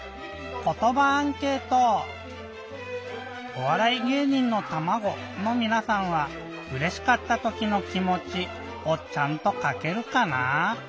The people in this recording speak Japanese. おわらいげい人のたまごのみなさんはうれしかったときの気もちをちゃんとかけるかな？